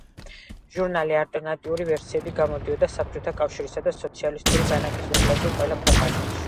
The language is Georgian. ჟურნალი ალტერნატიული ვერსიები გამოდიოდა საბჭოთა კავშირისა და სოციალისტური ბანაკის უკლებლივ ყველა ქვეყანაში.